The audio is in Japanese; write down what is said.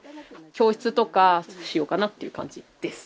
教室とかしようかなっていう感じです。